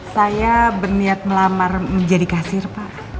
saya berniat melamar menjadi kasir pak